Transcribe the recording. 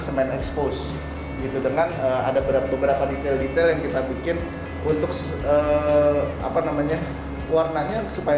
semen expose gitu dengan ada beberapa detail detail yang kita bikin untuk apa namanya warnanya supaya